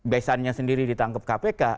besannya sendiri ditangkep kpk